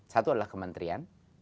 satu adalah kementrian